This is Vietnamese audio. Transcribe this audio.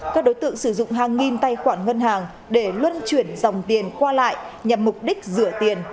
các đối tượng sử dụng hàng nghìn tài khoản ngân hàng để luân chuyển dòng tiền qua lại nhằm mục đích rửa tiền